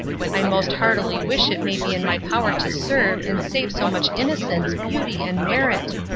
I most heartily wish it may be in my power to serve and save so much innocence, beauty, and merit.